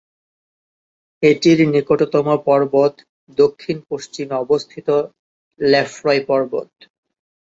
এটির নিকটতম পর্বত, দক্ষিণ পশ্চিমে অবস্থিত লেফ্রয় পর্বত।